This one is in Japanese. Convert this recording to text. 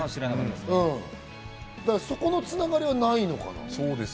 そこの繋がりはないのかな。